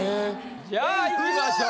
じゃあいきましょう。